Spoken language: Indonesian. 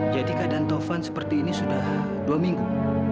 jadi keadaan taufan seperti ini sudah dua minggu